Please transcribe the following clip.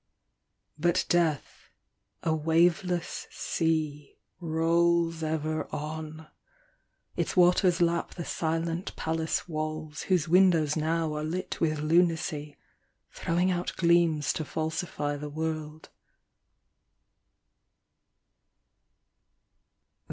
Nebuchadnezzar the King. But Death, a waveless sea, rolls ever on ; Its waters lap the silent palace walls, Whose windows now are lit with lunacy, Throwing out gleams to falsify the world.